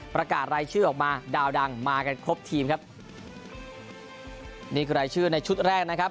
ประกาศรายชื่อออกมาดาวดังมากันครบทีมครับนี่คือรายชื่อในชุดแรกนะครับ